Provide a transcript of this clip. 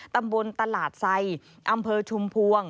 ตำบลตลาดไซอำเภอชุมพวง